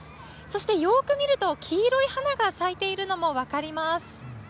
そして、よーく見ると、黄色い花が咲いているのも分かります。